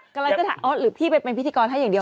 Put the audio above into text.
กำลังจะถามอ๋อหรือพี่ไปเป็นพิธีกรให้อย่างเดียว